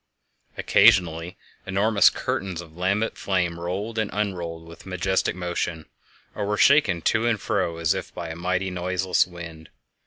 Occasionally enormous curtains of lambent flame rolled and unrolled with a majestic motion, or were shaken to and fro as if by a mighty, noiseless wind.